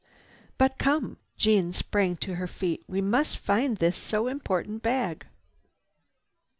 "But come!" Jeanne sprang to her feet. "We must find this so important bag.